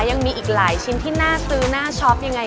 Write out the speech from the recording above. ยังมีอีกหลายชิ้นที่น่าซื้อน่าช็อปยังไง